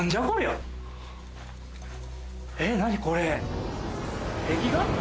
えっ何これ？